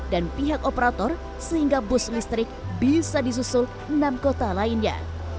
dan pihak operator sehingga bus listrik bisa disusul enam kota lainnya